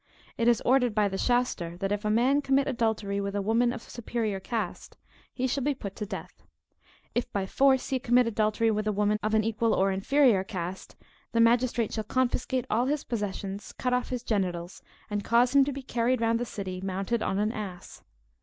It is ordained by the Shaster, that if a man commit adultery with a woman of a superior cast, he shall be put to death; if by force he commit adultery with a woman of an equal or inferior cast, the magistrate shall confiscate all his possessions, cut off his genitals, and cause him to be carried round the city, mounted on a ass.